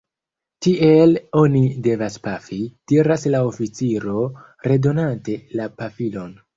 Tiel oni devas pafi, diras la oficiro, redonante la pafilon.